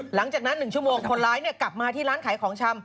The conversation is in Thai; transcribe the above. หลังจากนั้น๑ชั่วโมงคนร้ายกลับมาที่ร้านขายของชำ